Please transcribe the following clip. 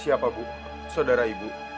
siapa bu saudara ibu